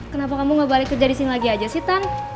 kenapa kamu gak balik kerja di sini lagi aja sih tan